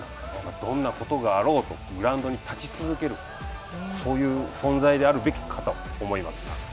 どんなことがあろうとグラウンドに立ち続けるそういう存在であるべきかと思います。